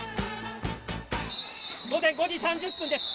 午前５時３０分です。